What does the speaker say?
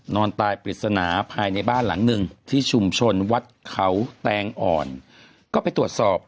นอนตายปริศนาภายในบ้านหลังหนึ่งที่ชุมชนวัดเขาแตงอ่อนก็ไปตรวจสอบ